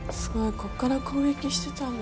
ここから攻撃してたんだ。